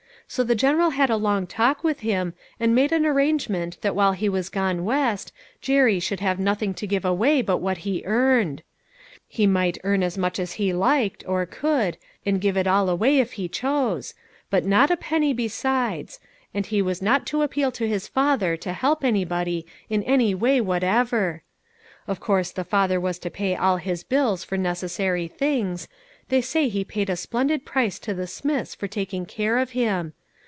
So the General had a long talk with him, and made an arrangement that while he was gone West, Jerry should have nothing to give away but what he earned. He might earn as much as he liked, or could, and give it all away if he chose ; but not a penny besides, and he was not to appeal to his father to help anybody in any way whatever. Of THE PAST AND PBESENT. 429 course the father was to pay all his bills for necessary things they say he paid a splendid price to the Smiths for taking care of him.